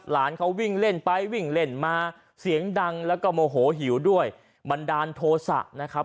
หลานเขาวิ่งเล่นไปวิ่งเล่นมาเสียงดังแล้วก็โมโหหิวด้วยบันดาลโทษะนะครับ